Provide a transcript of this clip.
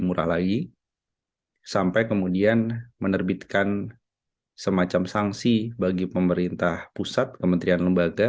murah lagi sampai kemudian menerbitkan semacam sank garde pemerintah pusat kementrian lembaga bpmm yang